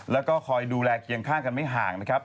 แล้วก็คอยดูแลเคียงข้างกันไม่ห่างนะครับ